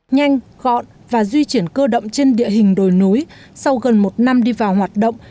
nhanh gọn và di chuyển cơ động trên địa hình đồi núi sau gần một năm đi vào hoạt động